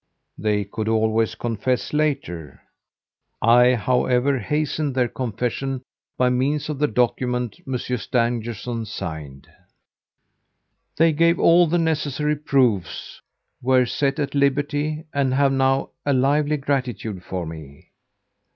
They could always confess later. I, however, hastened their confession by means of the document Monsieur Stangerson signed. They gave all the necessary 'proofs,' were set at liberty, and have now a lively gratitude for me.